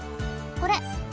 これ。